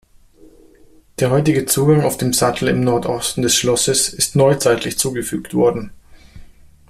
Der heutige Zugang auf dem Sattel im Nordosten des Schlosses ist neuzeitlich zugefügt worden.